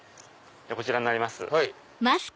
こちらになります。